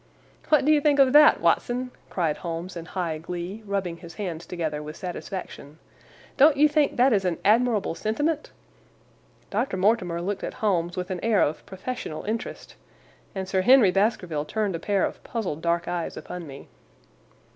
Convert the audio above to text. "What do you think of that, Watson?" cried Holmes in high glee, rubbing his hands together with satisfaction. "Don't you think that is an admirable sentiment?" Dr. Mortimer looked at Holmes with an air of professional interest, and Sir Henry Baskerville turned a pair of puzzled dark eyes upon me.